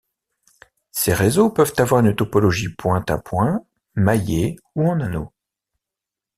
Ces réseaux peuvent avoir une topologie point-à-point, maillée ou en anneau.